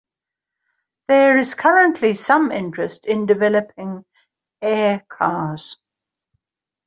There is currently some interest in developing air cars.